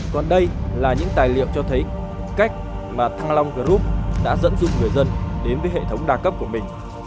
còn đây là những tài liệu cho thấy cách mà thăng long group đã dẫn dụ người dân đến với hệ thống đa cấp của mình